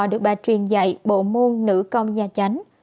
được bà truyền dạy bộ môn nữ công gia chánh